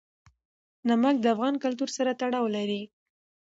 نمک د افغان کلتور سره تړاو لري.